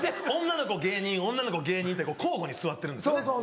女の子芸人女の子芸人って交互に座ってるんですよね。